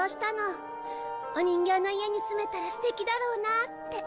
お人形の家に住めたら素敵だろうなあって。